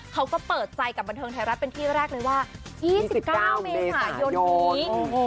เขาก็เปิดใจกับบันเทิงไทยรัฐเป็นที่แรกเลยว่า๒๙เมษายนนี้